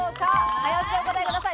早押しでお答えください。